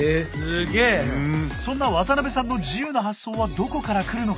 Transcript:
そんな渡邉さんの自由な発想はどこからくるのか。